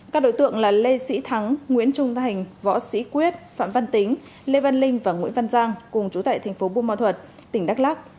các đối tượng là lê sĩ thắng nguyễn trung thành võ sĩ quyết phạm văn tính lê văn linh và nguyễn văn giang cùng chủ tại tp buôn ma thuật tỉnh đắk lắk